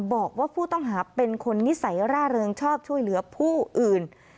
บอกว่าผู้ต้องหาเป็นคนนิสัยร่าเริงชอบช่วยเหลือผู้อื่น